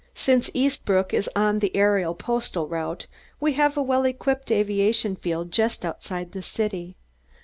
Since Eastbrook is on the aerial postal route, we have a well equipped aviation field just outside the city.